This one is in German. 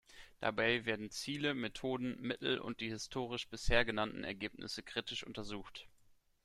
Dabei werden Ziele, Methoden, Mittel und die historisch bisher genannten Ergebnisse kritisch untersucht.